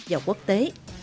và quốc tế